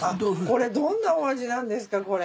これどんなお味なんですかこれ。